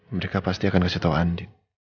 mereka pasti akan kasih tahu andin